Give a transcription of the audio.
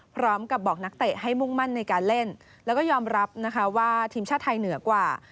พร้อมกับบอกนักเตะให้มุ่งมั่นในการเล่นแล้วก็ยอมรับนะคะว่าทีมชาติไทยเหนือกว่า